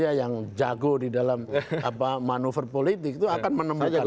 ya yang jago di dalam manuver politik itu akan menemukan